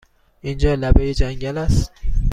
اینجا لبه جنگل است!